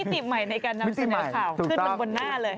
นี่ติดใหม่ในการนำแสนวข่าวขึ้นบนหน้าเลย